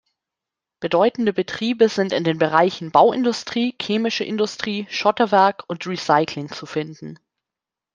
Bedeutende Betriebe sind in den Bereichen Bauindustrie, Chemische Industrie, Schotterwerk und Recycling zu finden.